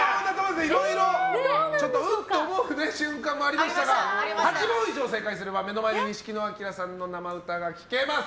いろいろん？と思う瞬間もありましたが８問以上正解すれば目の前で錦野旦さんの生歌が聴けます！